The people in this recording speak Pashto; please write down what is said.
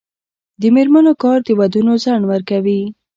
د میرمنو کار د ودونو ځنډ ورکوي.